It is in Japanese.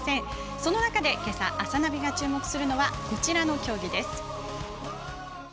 その中でけさ「あさナビ」が注目するのはこちらの競技です。